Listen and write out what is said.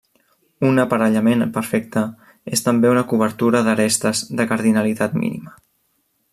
Un aparellament perfecte és també una cobertura d'arestes de cardinalitat mínima.